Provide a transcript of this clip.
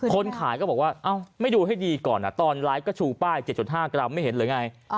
คนขายก็บอกว่าไม่ดูให้ดีก่อนตอนไลฟ์ก็ชูป้าย๗๕กรัมไม่เห็นหรือไง